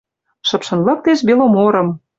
Шыпшын лыктеш «Беломорым»